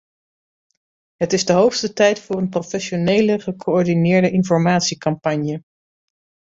Het is de hoogste tijd voor een professionele, gecoördineerde informatiecampagne.